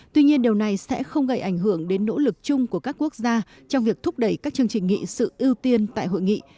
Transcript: tuy nhiên điều này sẽ không gây ảnh hưởng đến nỗ lực chung của các quốc gia trong việc thúc đẩy các chương trình nghị sự ưu tiên tại hội nghị